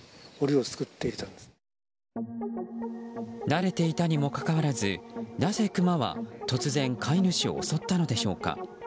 慣れていたにもかかわらずなぜクマは突然、飼い主を襲ったのでしょうか。